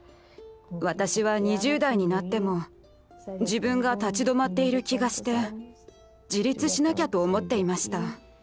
私は２０代になっても自分が立ち止まっている気がして自立しなきゃと思っていました。